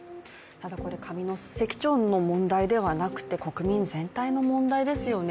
上関町の問題ではなくて、国民全体の問題ですよね。